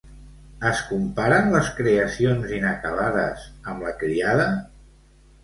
Es comparen les creacions inacabades amb la criada?